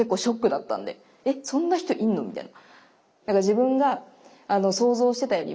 えっそんな人いんの？みたいな。